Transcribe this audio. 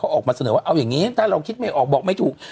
ออกมาเสนอว่าเอาอย่างนี้ถ้าเราคิดไม่ออกบอกไม่ถูก